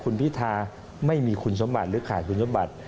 คุณพิธาไม่มีคุณสมบัติหรือขาดคุณสมบัติ